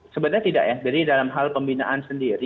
sebenarnya tidak ya jadi dalam hal pembinaan sendiri